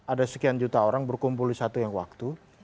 ada sekian juta orang berkumpul di satu yang waktu